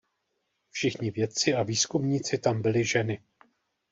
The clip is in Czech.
Všichni vědci a výzkumníci tam byly ženy.